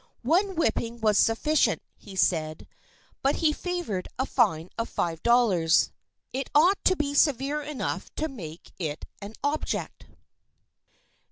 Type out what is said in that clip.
One whipping was sufficient, he said, but he favored a fine of $5. It ought to be severe enough to make it an object.